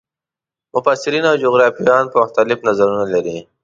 مفسرین او جغرافیه پوهان مختلف نظرونه لري.